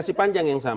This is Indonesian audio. kasih panjang yang sama